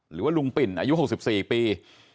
หรือว่าลุงปิ่นอายุ๖๔ปี